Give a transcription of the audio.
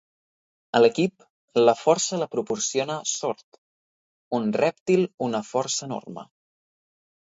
A l'equip, la força la proporciona "Sord", un rèptil una força enorme.